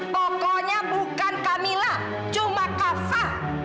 pokoknya bukan kamila cuma kafa